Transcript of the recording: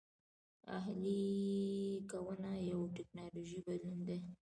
اهلي کونه یو ټکنالوژیکي بدلون دی